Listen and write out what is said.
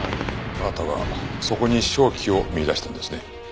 あなたはそこに商機を見出したんですね。